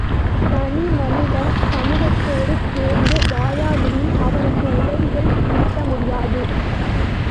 தனிமனிதன் சமூகத்தோடு சேர்ந்து வாழாவிடின் அவனுக்கு உதவிகள் கிட்டமுடியாது.